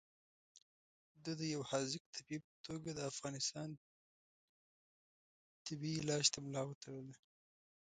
ده د یو حاذق طبیب په توګه د افغانستان تبې علاج ته ملا وتړله.